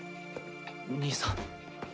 兄さん。